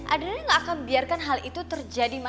adriana ga akan biarkan hal itu terjadi ma